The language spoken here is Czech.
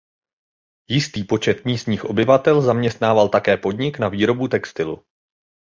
Jistý počet místních obyvatel zaměstnával také podnik na výrobu textilu.